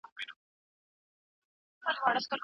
پیغمبران د حق د لاري ډیوي دي.